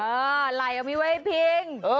อ่าไหล่เอาไว้ไว้ไอ้พิง